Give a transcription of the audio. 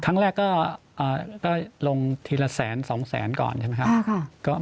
ครั้งแรกก็ลงทีละแสน๒แสนก่อนใช่ไหมครับ